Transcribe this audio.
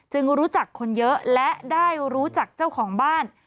รู้จักคนเยอะและได้รู้จักเจ้าของบ้าน